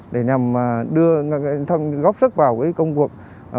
để đưa góp sức vào công cuộc